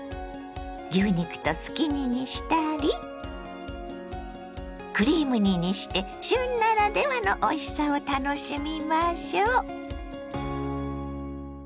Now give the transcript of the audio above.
牛肉とすき煮にしたりクリーム煮にして旬ならではのおいしさを楽しみましょ。